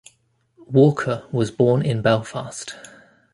Walker was born in Belfast.